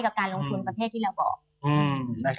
การลงทุนประเภทที่เราบอก